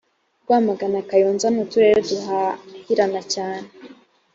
rwamagana kayonza nu turere duhahirana cyane